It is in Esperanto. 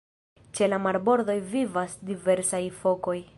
Ĉe la marbordoj vivas diversaj fokoj.